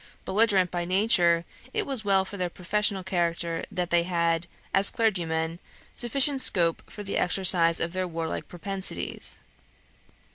Belligerent by nature, it was well for their professional character that they had, as clergymen, sufficient scope for the exercise of their warlike propensities.